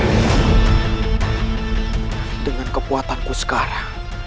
aku sudah menyerahkan putraku